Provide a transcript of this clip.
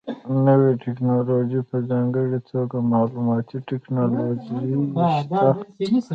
نوې ټکنالوژي په ځانګړې توګه معلوماتي ټکنالوژي شته.